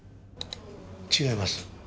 違います。